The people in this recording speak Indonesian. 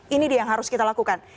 ini dia yang harus kita lakukan